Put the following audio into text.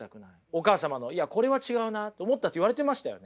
お母様の「いやこれは違うな」と思ったって言われてましたよね。